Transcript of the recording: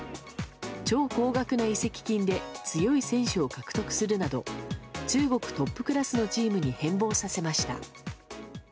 超高額な移籍金で強い選手を獲得するなど中国トップクラスのチームに変貌させました。